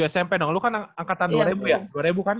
oh kelas tujuh smp dong lo kan angkatan dua ribu ya dua ribu kan